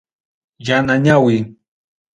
Yana nawi.